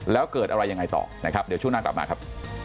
แล้วเกิดอะไรยังไงต่อนะครับเดี๋ยวช่วงหน้ากลับมาครับ